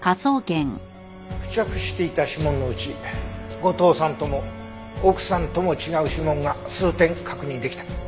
付着していた指紋のうち後藤さんとも奥さんとも違う指紋が数点確認できた。